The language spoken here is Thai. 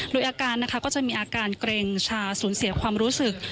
โดยอาการนะคะก็จะมีอาการเกร็งชาสูญเสียความรู้สึก